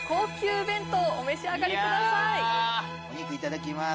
お肉いただきます